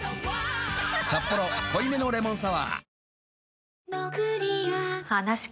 「サッポロ濃いめのレモンサワー」